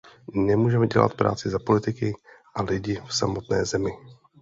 Nemůžeme dělat práci za politiky a lidi v samotné zemi.